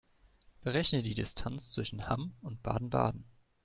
Berechne die Distanz zwischen Hamm und Baden-Baden